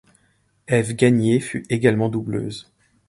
Ève Gagnier fut également doubleuse.